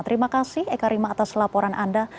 terima kasih eka rima atas laporan anda